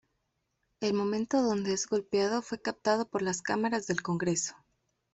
El momento donde es golpeado fue captado por las cámaras del Congreso.